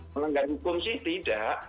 menanggap hukum sih tidak